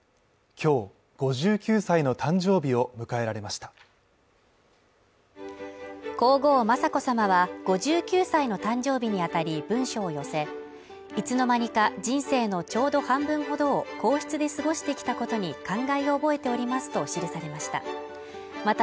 今日５９歳の誕生日を迎えられました皇后・雅子さまは５９歳の誕生日にあたり文書を寄せいつの間にか人生のちょうど半分ほどを皇室で過ごしてきたことに感慨を覚えておりますと記されました